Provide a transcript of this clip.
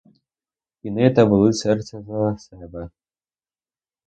І ниє та болить серце за себе.